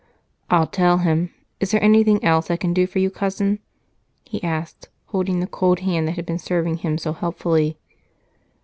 "I'll tell him. Is there anything else I can do for you, Cousin?" he asked, holding the cold hand that had been serving him so helpfully.